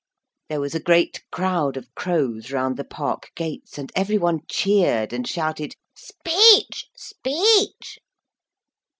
There was a great crowd of crows round the park gates, and every one cheered and shouted 'Speech, speech!'